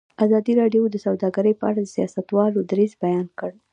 ازادي راډیو د سوداګري په اړه د سیاستوالو دریځ بیان کړی.